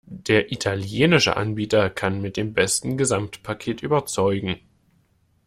Der italienische Anbieter kann mit dem besten Gesamtpaket überzeugen.